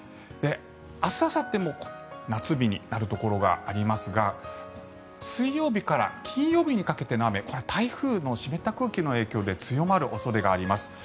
明日、あさっても夏日になるところがありますが水曜日から金曜日にかけての雨これ、台風の湿った空気の影響で強まる恐れがあります。